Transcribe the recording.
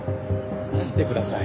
離してください。